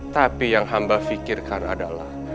tapi yang hamba fikirkan adalah